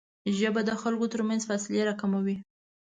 ژبه د خلکو ترمنځ فاصلې راکموي